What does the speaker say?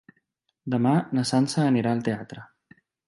Demà na Sança anirà al teatre.